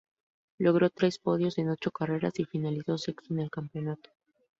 Logró tres podios en ocho carreras y finalizó sexto en el campeonato.